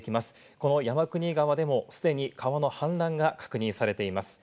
この山国川でもすでに川の氾濫が確認されています。